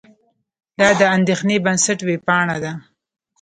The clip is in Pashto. دا د اندېښې بنسټ وېبپاڼه ده.